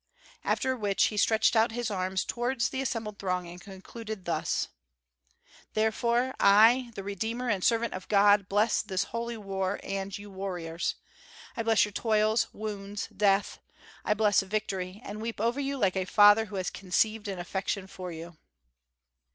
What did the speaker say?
After which he stretched out his arms towards the assembled throng and concluded thus: "Therefore I, the Redeemer and servant of God, bless this holy war and you warriors. I bless your toils, wounds, death; I bless victory, and weep over you like a father who has conceived an affection for you."